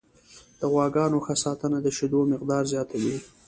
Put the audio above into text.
د غواګانو ښه ساتنه د شیدو مقدار زیاتوي.